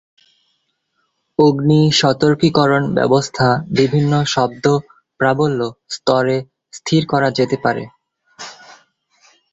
অগ্নি সতর্কীকরণ ব্যবস্থা বিভিন্ন শব্দ-প্রাবল্য স্তরে স্থির করা যেতে পারে।